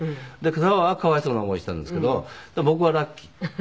佐川はかわいそうな思いしたんですけど僕はラッキー。